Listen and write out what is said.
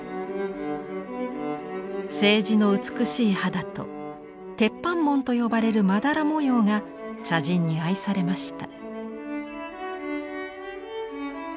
青磁の美しい肌と鉄斑紋と呼ばれるまだら模様が茶人に愛されました。